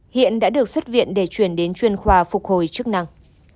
hiện đã được xuất viện để chuyển đến chuyên khoa phục hồi chức năng